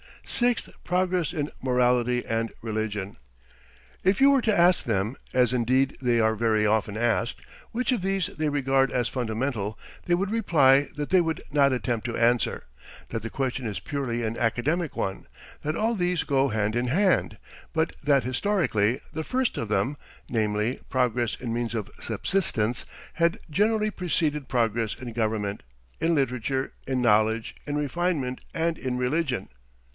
6th. Progress in morality and religion. If you were to ask them, as indeed they are very often asked, which of these they regard as fundamental, they would reply that they would not attempt to answer, that the question is purely an academic one, that all these go hand in hand, but that historically the first of them namely, progress in means of subsistence had generally preceded progress in government, in literature, in knowledge, in refinement, and in religion.